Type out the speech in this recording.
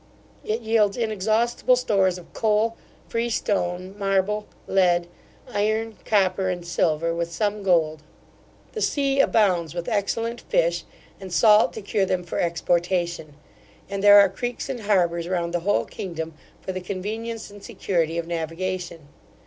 It yields inexhaustible stores of coal, free stone, marble, lead, iron, copper, and silver, with some gold. The sea abounds with excellent fish, and salt to cure them for exportation; and there are creeks and harbours round the whole kingdom, for the convenience and security of navigation.